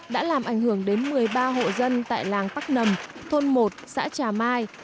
đã làm ảnh hưởng đến một mươi ba hộ dân tại làng tắc nầm thôn một xã trà mai